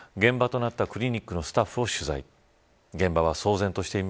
そこで、めざまし８は現場となったクリニックのスタッフを取材。